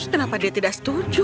kenapa dia tidak setuju